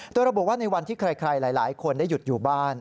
โดยระบุว่าในวันที่ใครหลายคนได้หยุดอยู่บ้าน